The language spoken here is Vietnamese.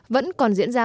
vẫn còn diễn ra